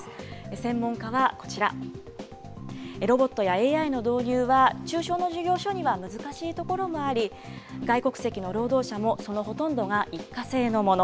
専門家はこちら、ロボットやＡＩの導入は、中小の事業所には難しいところもあり、外国籍の労働者も、そのほとんどが一過性のもの。